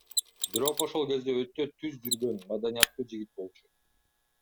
Бирок ошол кезде өтө түз жүргөн, маданияттуу жигит болчу.